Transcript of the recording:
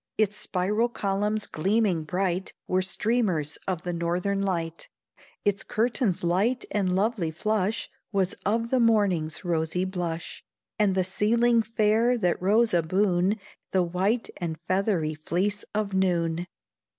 Its spiral columns gleaming bright Were streamers of the northern light; Its curtain's light and lovely flush Was of the morning's rosy blush, And the ceiling fair that rose aboon The white and feathery fleece of noon.